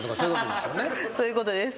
そういうことです。